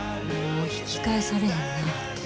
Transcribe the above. もう引き返されへんなぁて。